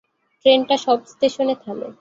ট্রেনটা সব স্টেশনে থামে।